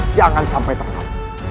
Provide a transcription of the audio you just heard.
jangan sampai terkau